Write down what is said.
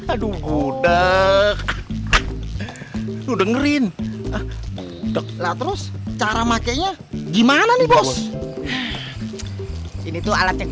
aduh muda udah ngerin lalu terus cara makanya gimana nih bos ini tuh alat yang